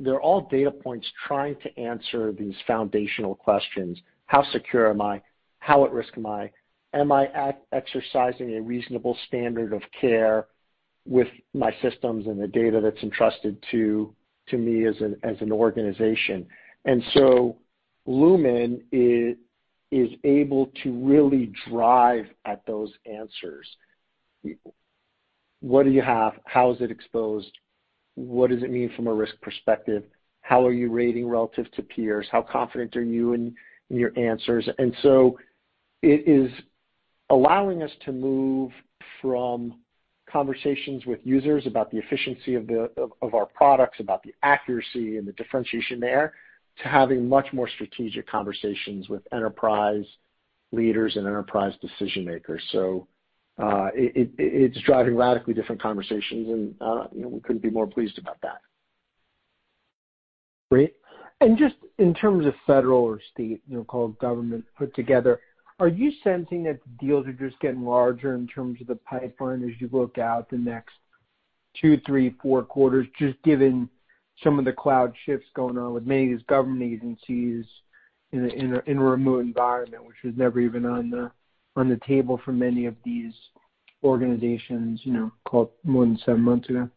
They're all data points trying to answer these foundational questions: how secure am I? How at risk am I? Am I exercising a reasonable standard of care with my systems and the data that's entrusted to me as an organization? And so Lumin is able to really drive at those answers. What do you have? How is it exposed? What does it mean from a risk perspective? How are you rating relative to peers? How confident are you in your answers? And so it is allowing us to move from conversations with users about the efficiency of our products, about the accuracy and the differentiation there, to having much more strategic conversations with enterprise leaders and enterprise decision-makers. So it's driving radically different conversations, and we couldn't be more pleased about that. Great. And just in terms of federal or state and local government put together, are you sensing that the deals are just getting larger in terms of the pipeline as you look out the next two, three, four quarters, just given some of the cloud shifts going on with many of these government agencies in a remote environment, which was never even on the table for many of these organizations before more than seven months ago?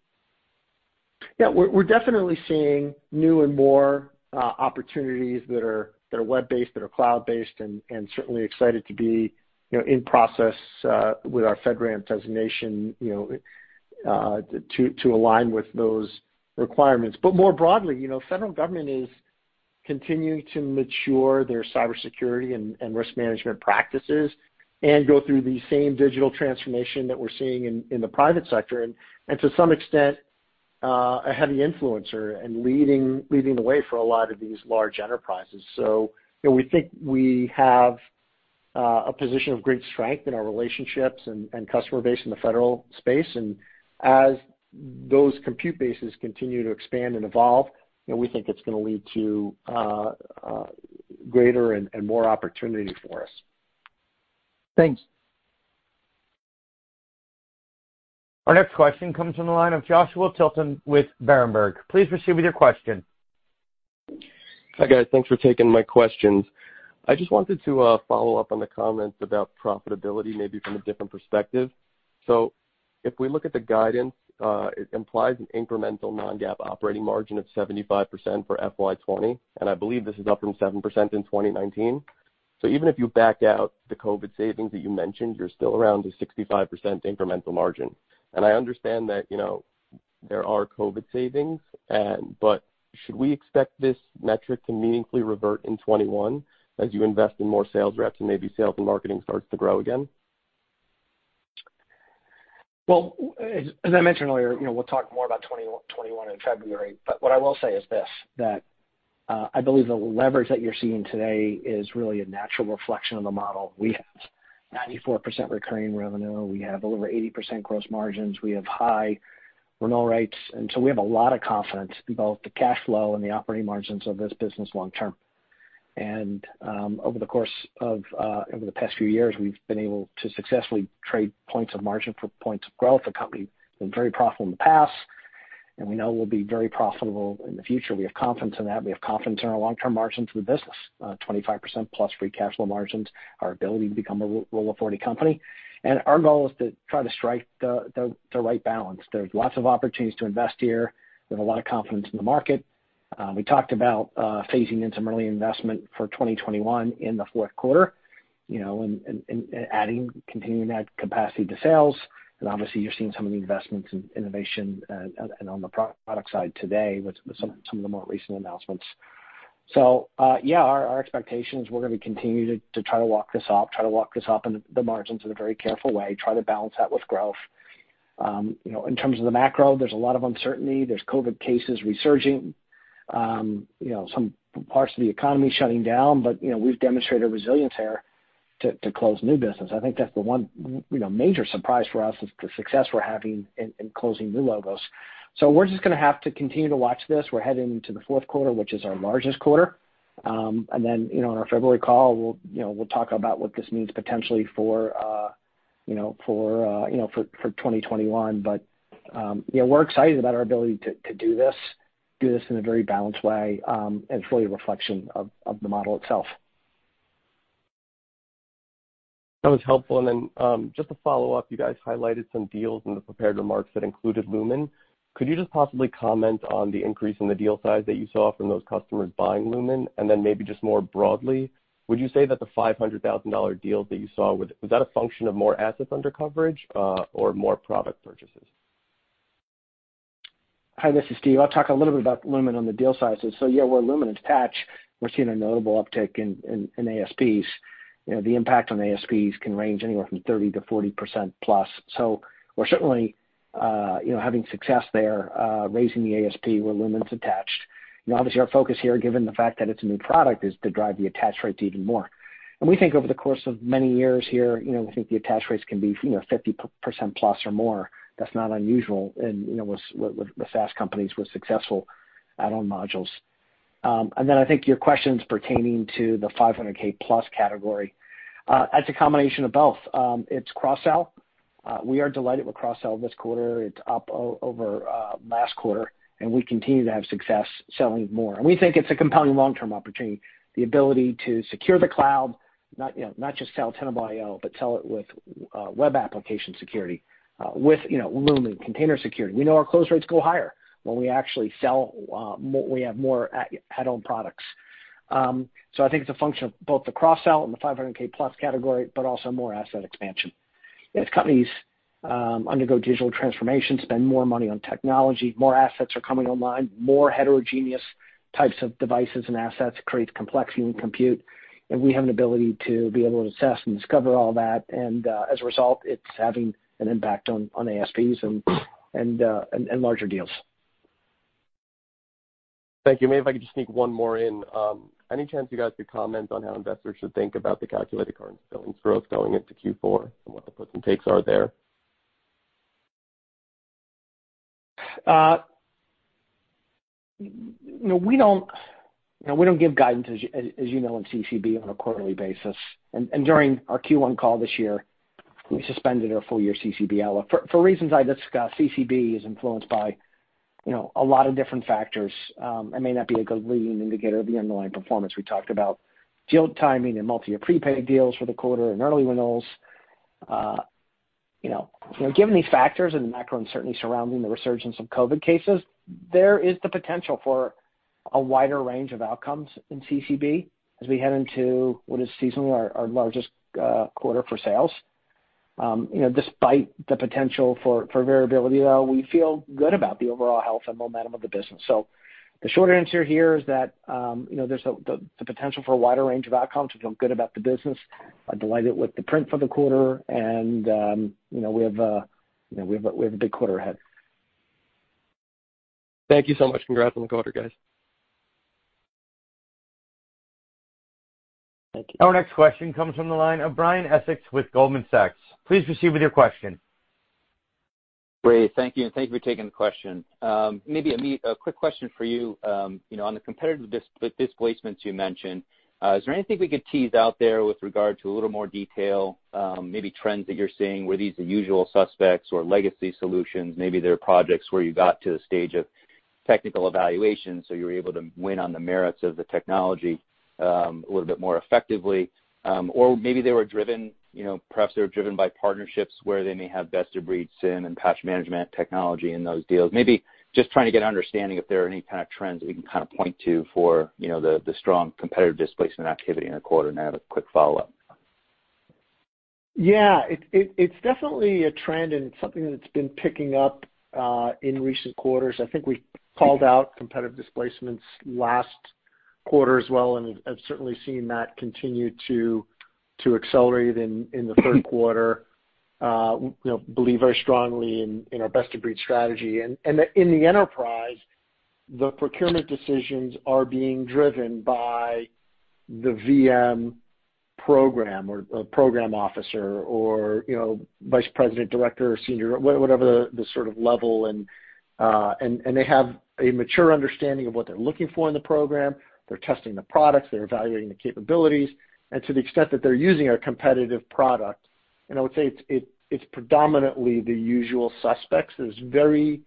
Yeah. We're definitely seeing new and more opportunities that are web-based, that are cloud-based, and certainly excited to be in process with our FedRAMP designation to align with those requirements. But more broadly, federal government is continuing to mature their cybersecurity and risk management practices and go through the same digital transformation that we're seeing in the private sector and to some extent a heavy influencer and leading the way for a lot of these large enterprises. So we think we have a position of great strength in our relationships and customer base in the federal space. And as those compute bases continue to expand and evolve, we think it's going to lead to greater and more opportunity for us. Thanks. Our next question comes from the line of Joshua Tilton with Berenberg. Please proceed with your question. Hi, guys. Thanks for taking my questions. I just wanted to follow up on the comments about profitability, maybe from a different perspective. So if we look at the guidance, it implies an incremental non-GAAP operating margin of 75% for FY20. And I believe this is up from 7% in 2019. So even if you back out the COVID savings that you mentioned, you're still around a 65% incremental margin. And I understand that there are COVID savings, but should we expect this metric to meaningfully revert in 2021 as you invest in more sales reps and maybe sales and marketing starts to grow again? As I mentioned earlier, we'll talk more about 2021 in February. But what I will say is this: that I believe the leverage that you're seeing today is really a natural reflection of the model. We have 94% recurring revenue. We have over 80% gross margins. We have high renewal rates. And so we have a lot of confidence in both the cash flow and the operating margins of this business long-term. And over the course of the past few years, we've been able to successfully trade points of margin for points of growth. The company has been very profitable in the past, and we know we'll be very profitable in the future. We have confidence in that. We have confidence in our long-term margins of the business: 25% plus free cash flow margins, our ability to become a rule-of-40 company. Our goal is to try to strike the right balance. There's lots of opportunities to invest here. We have a lot of confidence in the market. We talked about phasing in some early investment for 2021 in the fourth quarter and continuing that capacity to sales. Obviously, you're seeing some of the investments in innovation and on the product side today with some of the more recent announcements. Yeah, our expectation is we're going to continue to try to walk this up, try to walk this up in the margins in a very careful way, try to balance that with growth. In terms of the macro, there's a lot of uncertainty. There's COVID cases resurging, some parts of the economy shutting down. We've demonstrated resilience here to close new business. I think that's the one major surprise for us is the success we're having in closing new logos. So we're just going to have to continue to watch this. We're heading into the fourth quarter, which is our largest quarter. And then on our February call, we'll talk about what this means potentially for 2021. But yeah, we're excited about our ability to do this in a very balanced way and fully a reflection of the model itself. That was helpful. And then just to follow up, you guys highlighted some deals in the prepared remarks that included Lumin. Could you just possibly comment on the increase in the deal size that you saw from those customers buying Lumin? And then maybe just more broadly, would you say that the $500,000 deals that you saw, was that a function of more asset undercoverage or more product purchases? Hi, this is Steve. I'll talk a little bit about Lumin on the deal sizes. So yeah, we're seeing Lumin attached. We're seeing a notable uptick in ASPs. The impact on ASPs can range anywhere from 30%-40% plus. So we're certainly having success there raising the ASP where Lumin's attached. Obviously, our focus here, given the fact that it's a new product, is to drive the attach rates even more. And we think over the course of many years here, we think the attach rates can be 50% plus or more. That's not unusual with SaaS companies with successful add-on modules. And then I think your question is pertaining to the 500K-plus category. That's a combination of both. It's cross-sell. We are delighted with cross-sell this quarter. It's up over last quarter, and we continue to have success selling more. And we think it's a compelling long-term opportunity. The ability to secure the cloud, not just sell Tenable.io, but sell it with web application security, with Lumin container security. We know our close rates go higher when we actually sell, we have more add-on products. So I think it's a function of both the cross-sell and the 500K plus category, but also more asset expansion. As companies undergo digital transformation, spend more money on technology, more assets are coming online, more heterogeneous types of devices and assets create complexity in compute. And we have an ability to be able to assess and discover all that. And as a result, it's having an impact on ASPs and larger deals. Thank you. Maybe if I could just sneak one more in. Any chance you guys could comment on how investors should think about the Calculated Current Billings growth going into Q4 and what the puts and takes are there? We don't give guidance, as you know, on CCB on a quarterly basis. During our Q1 call this year, we suspended our full-year CCB outlook. For reasons I discussed, CCB is influenced by a lot of different factors. It may not be a good leading indicator of the underlying performance we talked about: deal timing and multi-year prepaid deals for the quarter and early renewals. Given these factors and the macro uncertainty surrounding the resurgence of COVID cases, there is the potential for a wider range of outcomes in CCB as we head into what is seasonally our largest quarter for sales. Despite the potential for variability, though, we feel good about the overall health and momentum of the business. The short answer here is that there's the potential for a wider range of outcomes. We feel good about the business. I'm delighted with the print for the quarter, and we have a big quarter ahead. Thank you so much. Congrats on the quarter, guys. Thank you. Our next question comes from the line of Brian Essex with Goldman Sachs. Please proceed with your question. Great. Thank you. And thank you for taking the question. Maybe a quick question for you. On the competitive displacements you mentioned, is there anything we could tease out there with regard to a little more detail, maybe trends that you're seeing where these are usual suspects or legacy solutions? Maybe there are projects where you got to the stage of technical evaluation, so you were able to win on the merits of the technology a little bit more effectively. Or maybe they were driven. Perhaps they were driven by partnerships where they may have best-of-breed SIEM and patch management technology in those deals. Maybe just trying to get an understanding if there are any kind of trends that we can kind of point to for the strong competitive displacement activity in the quarter and have a quick follow-up. Yeah. It's definitely a trend and something that's been picking up in recent quarters. I think we called out competitive displacements last quarter as well, and I've certainly seen that continue to accelerate in the third quarter. Believe very strongly in our best-of-breed strategy. And in the enterprise, the procurement decisions are being driven by the VM program or program officer or vice president, director, or senior, whatever the sort of level. And they have a mature understanding of what they're looking for in the program. They're testing the products. They're evaluating the capabilities. And to the extent that they're using our competitive product, and I would say it's predominantly the usual suspects, there's very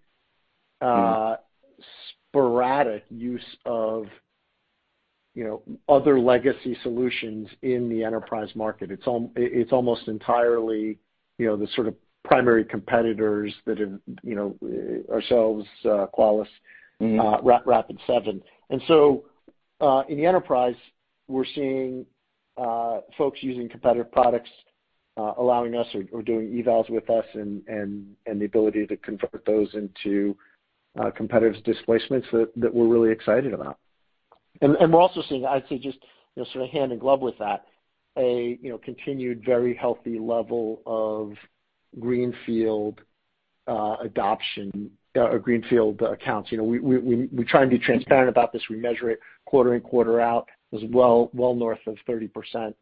sporadic use of other legacy solutions in the enterprise market. It's almost entirely the sort of primary competitors that are ourselves, Qualys, Rapid7. And so in the enterprise, we're seeing folks using competitive products, allowing us or doing evals with us and the ability to convert those into competitive displacements that we're really excited about. And we're also seeing, I'd say just sort of hand in glove with that, a continued very healthy level of greenfield adoption, greenfield accounts. We try and be transparent about this. We measure it quarter and quarter out. As well, well north of 30%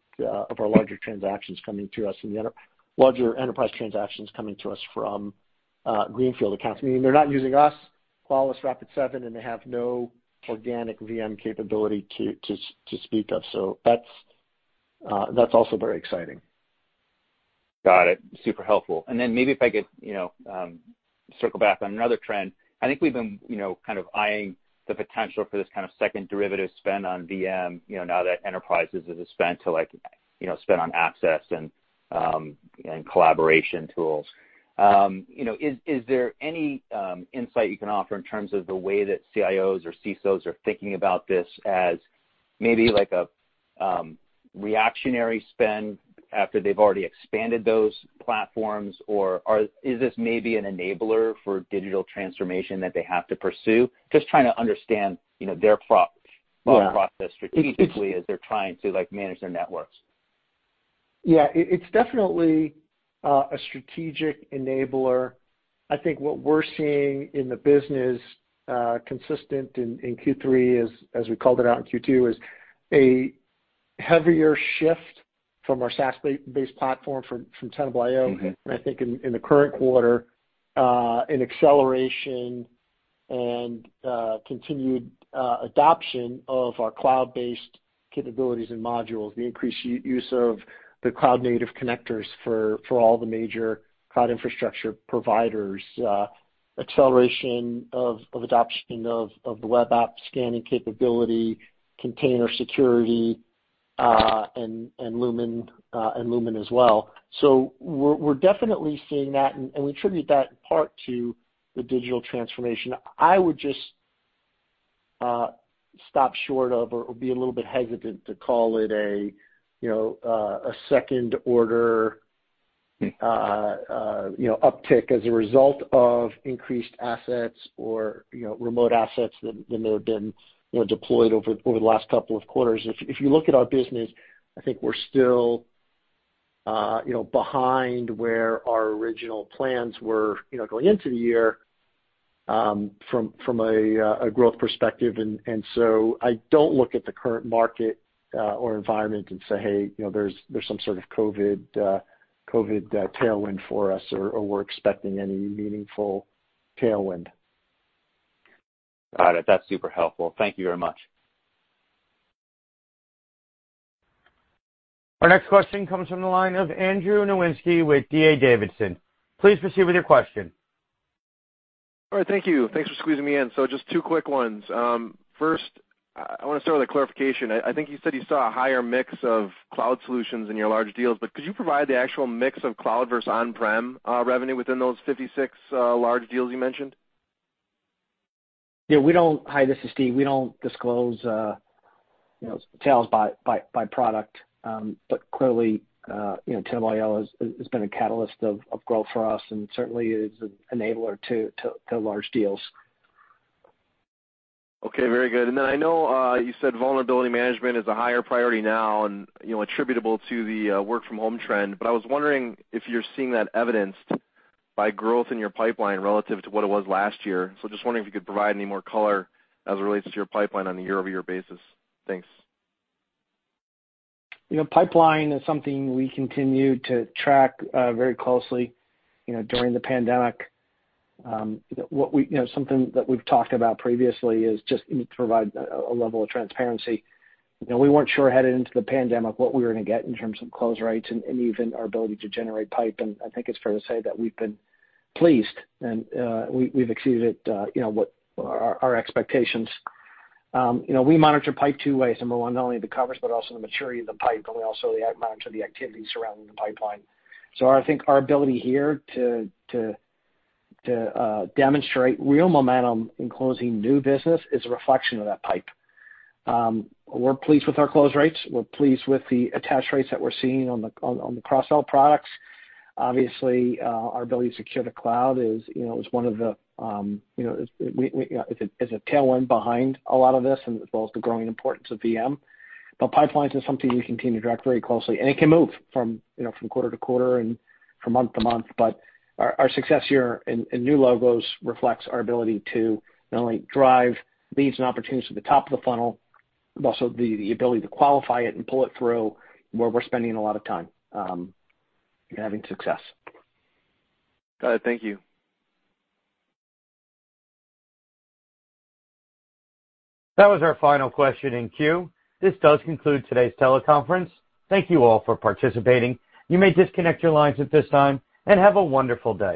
of our larger transactions coming to us and the larger enterprise transactions coming to us from greenfield accounts. I mean, they're not using us, Qualys, Rapid7, and they have no organic VM capability to speak of. So that's also very exciting. Got it. Super helpful. And then maybe if I could circle back on another trend. I think we've been kind of eyeing the potential for this kind of second derivative spend on VM now that enterprises have spent to spend on access and collaboration tools. Is there any insight you can offer in terms of the way that CIOs or CISOs are thinking about this as maybe a reactionary spend after they've already expanded those platforms? Or is this maybe an enabler for digital transformation that they have to pursue? Just trying to understand their thought process strategically as they're trying to manage their networks. Yeah. It's definitely a strategic enabler. I think what we're seeing in the business consistent in Q3, as we called it out in Q2, is a heavier shift from our SaaS-based platform from Tenable.io. And I think in the current quarter, an acceleration and continued adoption of our cloud-based capabilities and modules, the increased use of the cloud-native connectors for all the major cloud infrastructure providers, acceleration of adoption of the web app scanning capability, container security, and Lumin as well. So we're definitely seeing that, and we attribute that in part to the digital transformation. I would just stop short of or be a little bit hesitant to call it a second-order uptick as a result of increased assets or remote assets than there have been deployed over the last couple of quarters. If you look at our business, I think we're still behind where our original plans were going into the year from a growth perspective. And so I don't look at the current market or environment and say, "Hey, there's some sort of COVID tailwind for us," or, "We're expecting any meaningful tailwind. Got it. That's super helpful. Thank you very much. Our next question comes from the line of Andrew Nowinski with D.A. Davidson. Please proceed with your question. All right. Thank you. Thanks for squeezing me in. So just two quick ones. First, I want to start with a clarification. I think you said you saw a higher mix of cloud solutions in your large deals, but could you provide the actual mix of cloud versus on-prem revenue within those 56 large deals you mentioned? Yeah. Hi, this is Steve. We don't disclose sales by product, but clearly, Tenable.io has been a catalyst of growth for us and certainly is an enabler to large deals. Okay. Very good. And then I know you said vulnerability management is a higher priority now and attributable to the work-from-home trend, but I was wondering if you're seeing that evidenced by growth in your pipeline relative to what it was last year? So just wondering if you could provide any more color as it relates to your pipeline on a year-over-year basis? Thanks. Pipeline is something we continue to track very closely during the pandemic. Something that we've talked about previously is just to provide a level of transparency. We weren't sure headed into the pandemic what we were going to get in terms of close rates and even our ability to generate pipe. And I think it's fair to say that we've been pleased and we've exceeded our expectations. We monitor pipe two ways. Number one, not only the covers, but also the maturity of the pipe, and we also monitor the activity surrounding the pipeline. So I think our ability here to demonstrate real momentum in closing new business is a reflection of that pipe. We're pleased with our close rates. We're pleased with the attached rates that we're seeing on the cross-sell products. Obviously, our ability to secure the cloud is one of the. It's a tailwind behind a lot of this and as well as the growing importance of VM. But pipelines are something we continue to track very closely. And it can move from quarter to quarter and from month to month. But our success here in new logos reflects our ability to not only drive leads and opportunities to the top of the funnel, but also the ability to qualify it and pull it through where we're spending a lot of time and having success. Got it. Thank you. That was our final question in queue. This does conclude today's teleconference. Thank you all for participating. You may disconnect your lines at this time and have a wonderful day.